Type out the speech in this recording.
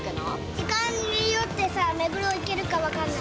時間によってさ、目黒行けるか分かんない。